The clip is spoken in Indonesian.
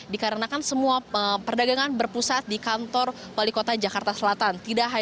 dikarenakan semua perdagangan berpusat di kantor wali kota jakarta selatan